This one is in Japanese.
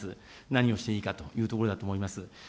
何をしていいかというところだと思います。